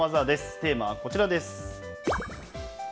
テーマはこちらです。